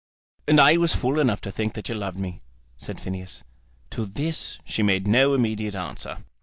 "And I was fool enough to think that you loved me," said Phineas. To this she made no immediate answer.